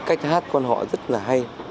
cách hát quan hậu rất là hay